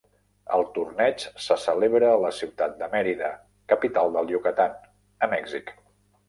El torneig se celebra a la ciutat de Mérida, capital del Yucatán, a Mèxic.